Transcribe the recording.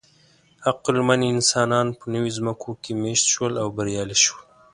عقلمن انسانان په نوې ځمکو کې مېشت شول او بریالي شول.